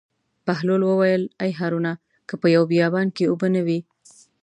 بهلول وویل: ای هارونه که په یوه بیابان کې اوبه نه وي.